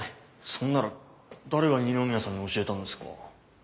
そんなら誰が二宮さんに教えたんですか？